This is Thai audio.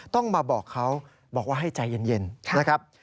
ต้องมาบอกเขาบอกว่าให้ใจเย็นนะครับ